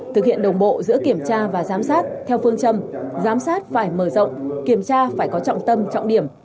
thực hiện đồng bộ giữa kiểm tra và giám sát theo phương châm giám sát phải mở rộng kiểm tra phải có trọng tâm trọng điểm